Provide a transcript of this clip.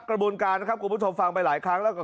กระบวนการนะครับคุณผู้ชมฟังไปหลายครั้งแล้วกับ